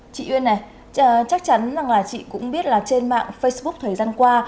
chị yên này chắc chắn là chị cũng biết là trên mạng facebook thời gian qua